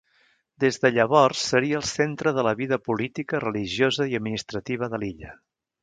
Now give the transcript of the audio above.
Des de llavors seria el centre de la vida política, religiosa i administrativa de l'illa.